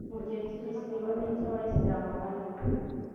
Mu gihe cy’igisibo nk’icyo Abayislamu barimo